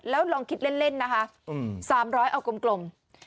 แล้วลองคิดเล่นนะคะ๓๐๐เอากลม